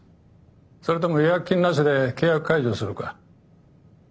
それとも違約金なしで契約解除するか。